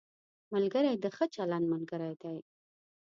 ملګری د ښه چلند ملګری دی